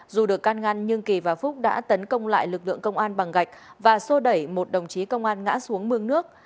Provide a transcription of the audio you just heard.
dù được can ngăn nhưng kỳ và phúc đã tấn công lại lực lượng công an bằng gạch và sô đẩy một đồng chí công an ngã xuống mương nước